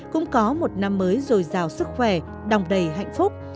cũng có một năm mới dồi dào sức khỏe đòn đầy hạnh phúc